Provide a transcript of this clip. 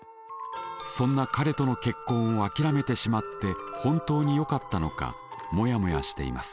そんな彼との結婚をあきらめてしまって本当によかったのかモヤモヤしています。